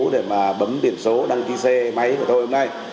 để mà bấm biển số đăng ký xe máy của tôi hôm nay